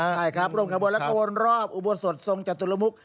ใช่ครับร่วมขบวนและขบวนรอบอุโบสถทรงจตุลมุก